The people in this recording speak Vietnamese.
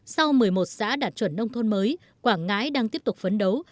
sau một mươi một xã đạt chuẩn nông thôn mới quảng ngãi đang tiếp tục phấn đấu